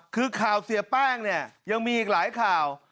คือข่าวเสียแป้งเนี่ยยังมีอีกหลายข่าว